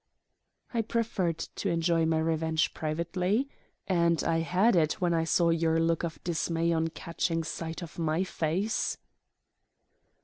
"I preferred to enjoy my revenge privately. And I had it when I saw your look of dismay on catching sight of my face."